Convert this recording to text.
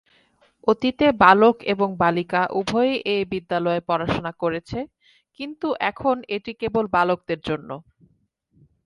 অতীতে, বালক এবং বালিকা উভয়ই এই বিদ্যালয়ে পড়াশোনা করেছে, কিন্তু এখন এটি কেবল বালকদের জন্য।